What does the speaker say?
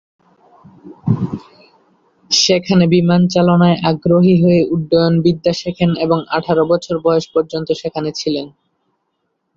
সেখানে বিমান চালনায় আগ্রহী হয়ে উড্ডয়ন বিদ্যা শেখেন এবং আঠারো বছর বয়স পর্যন্ত সেখানে ছিলেন।